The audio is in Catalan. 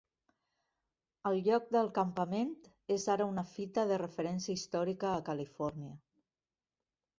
El lloc del campament és ara una fita de referència històrica a California.